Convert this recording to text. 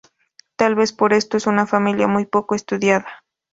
Tal vez por esto es una familia muy poco estudiada.